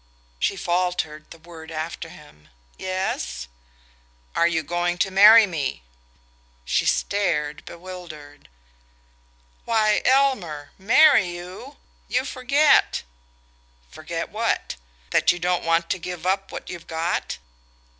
She faltered the word after him: "Yes ?" "Are you going to marry me?" She stared, bewildered. "Why, Elmer marry you? You forget!" "Forget what? That you don't want to give up what you've got?"